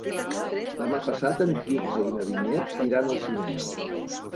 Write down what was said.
Demà passat en Quirze i na Vinyet iran al cinema.